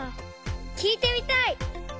きいてみたい！